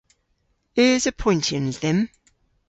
Eus apoyntyans dhymm?